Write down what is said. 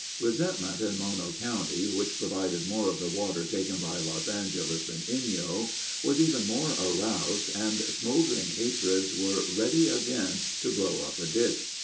Resentment in Mono county, which provided more of the water taken by Los Angeles than Inyo, was even more aroused and smoldering hatreds were ready again to blow up a ditch.